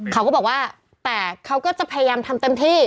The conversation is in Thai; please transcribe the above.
เขาก็บอกว่าแต่เขาก็จะพยายามทำเต็มที่